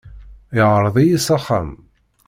Iɛreḍ-iyi s axxam.